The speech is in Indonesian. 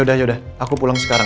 terima kasih bang